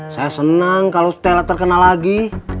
saya senang kalau stella terkenal lagi